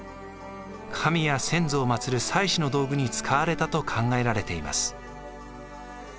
神や先祖を祭る祭祀の道具に使われたと考えられています。